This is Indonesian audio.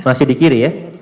masih di kiri ya